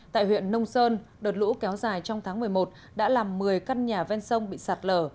tại huyện nông sơn đợt lũ kéo dài trong tháng một mươi một đã làm một mươi căn nhà ven sông bị sạt lở